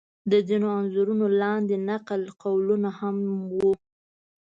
د ځینو انځورونو لاندې نقل قولونه هم و.